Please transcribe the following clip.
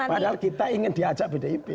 padahal kita ingin diajak bdip